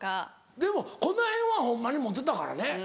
でもこの辺はホンマにモテたからね。